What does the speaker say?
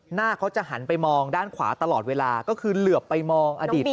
หน้าเขาจะหันไปมองด้านขวาตลอดเวลาก็คือเหลือไปมองอดีต